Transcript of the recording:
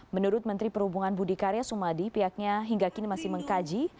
menurut menteri perhubungan budi karya sumadi pihaknya hingga kini masih mengkaji